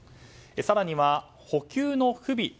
更には、補給の不備